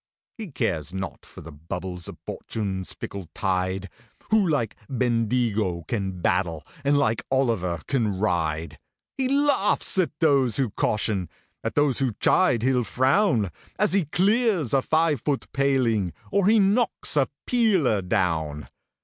He cares not for the bubbles of Fortune's fickle tide, Who like Bendigo can battle, and like Olliver can ride. He laughs at those who caution, at those who chide he'll frown, As he clears a five foot paling, or he knocks a peeler down.